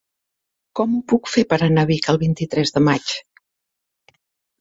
Com ho puc fer per anar a Vic el vint-i-tres de maig?